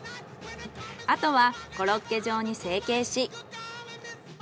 あとはコロッケ状に成形し。